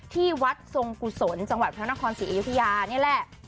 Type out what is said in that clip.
ที่วัดทรงกุศลจังหวัดพระนครศรีอยุธยานี่แหละ